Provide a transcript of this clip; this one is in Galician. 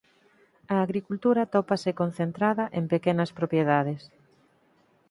A agricultura atópase concentrada en pequenas propiedades.